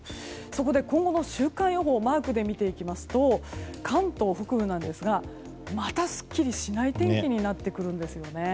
そこで今後の週間予報マークで見ていきますと関東北部なんですがまたすっきりしない天気になってくるんです。